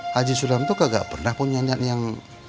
haji sulam itu gak pernah punya niat yang